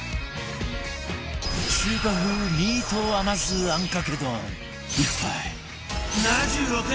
中華風ミート甘酢あんかけ丼１杯